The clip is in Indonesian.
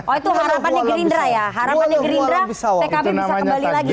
oh itu harapannya gerindra ya harapannya gerindra pkb bisa kembali lagi